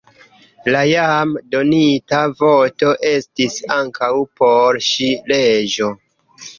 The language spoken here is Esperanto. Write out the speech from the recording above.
La jam donita voto estis ankaŭ por ŝi leĝo.